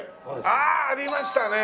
ああありましたね。